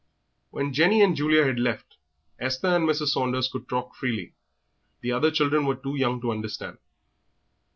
When Jenny and Julia had left, Esther and Mrs. Saunders could talk freely; the other children were too young to understand.